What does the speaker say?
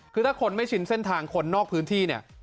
คือถ้าคนไม่ชินเส้นทางคนนอกพื้นที่เนี่ย